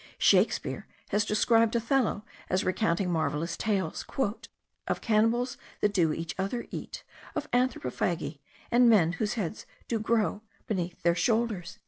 Shakespeare has described Othello as recounting marvellous tales: "of cannibals that do each other eat: Of Anthropophagi, and men whose heads Do grow beneath their shoulders.")